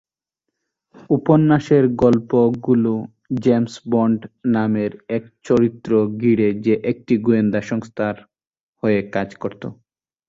উপন্যাসের গল্প গুলো জেমস বন্ড নামের এক চরিত্র ঘিরে যে একটি গোয়েন্দা সংস্থার হয়ে কাজ করতো।